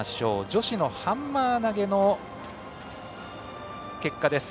女子のハンマー投げの結果です。